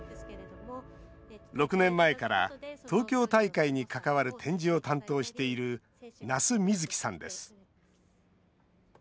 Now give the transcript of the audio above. ６年前から東京大会に関わる展示を担当している那須瑞紀さんです。